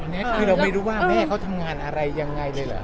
และคือเราไม่รู้ว่าแม่เขาทำงานเอาอะไรอย่างไงเลยแล้ว